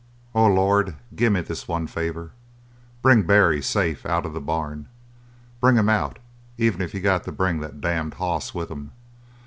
"O Lord, gimme this one favour. Bring Barry safe out of the barn. Bring him out even if you got to bring the damned hoss with him.